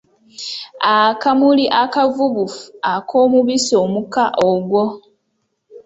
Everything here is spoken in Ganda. Akamuli akavubufu ak’omubisi omuka ogwo.